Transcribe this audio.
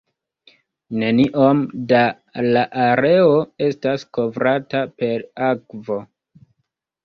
Neniom da la areo estas kovrata per akvo.